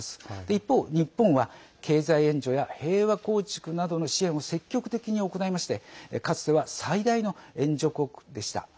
一方、日本は経済援助や平和構築などの支援を積極的に行いましてかつては最大の援助国でした。